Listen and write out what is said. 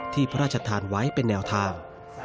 พระราชทานไว้เป็นแนวทาง